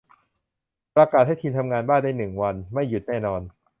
ประกาศให้ทีมทำงานบ้านได้หนึ่งวัน ไม่หยุดแน่นอน